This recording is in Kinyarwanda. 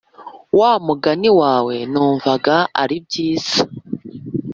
wamugani wawe numvaga aribyiza